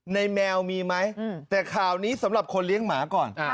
แมวมีไหมแต่ข่าวนี้สำหรับคนเลี้ยงหมาก่อน